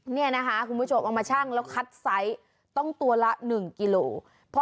เนี่ยนะคะคุณผู้ชมเอามาชั่งแล้วคัดไซส์ต้องตัวละ๑กิโล